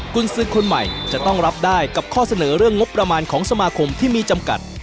คุณซื้อคนใหม่จะต้องรับได้กับข้อเสนอเรื่องงบประมาณของสมาคมที่มีจำกัด